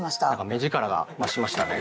目力が増しましたね。